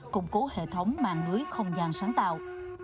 củng cố hệ thống mạng lưới không gian sáng tạo